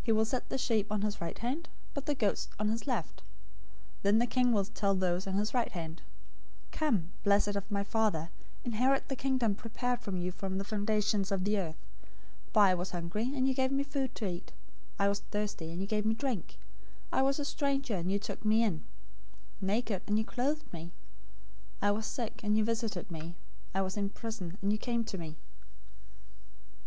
025:033 He will set the sheep on his right hand, but the goats on the left. 025:034 Then the King will tell those on his right hand, 'Come, blessed of my Father, inherit the Kingdom prepared for you from the foundation of the world; 025:035 for I was hungry, and you gave me food to eat; I was thirsty, and you gave me drink; I was a stranger, and you took me in; 025:036 naked, and you clothed me; I was sick, and you visited me; I was in prison, and you came to me.'